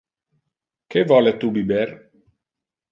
Que vole tu biber?